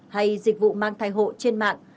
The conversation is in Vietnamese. hay dịch vụ mang thai hộ trên mạng